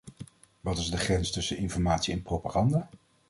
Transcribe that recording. Wat is de grens tussen informatie en propaganda?